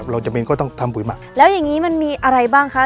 จำเป็นก็ต้องทำปุ๋ยหมักแล้วอย่างงี้มันมีอะไรบ้างคะ